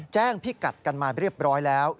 แจ้งพิกัดกันมาเรียบร้อยแล้ว